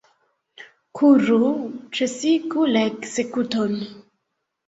Kuru, ĉesigu la ekzekuton!